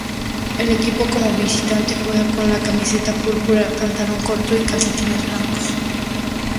El equipo como visitante juega con una camiseta púrpura, pantalón corto y calcetines blancos.